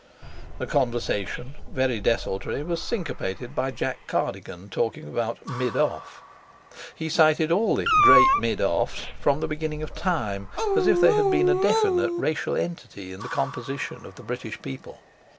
The conversation, very desultory, was syncopated by Jack Cardigan talking about "mid off." He cited all the "great mid offs" from the beginning of time, as if they had been a definite racial entity in the composition of the British people.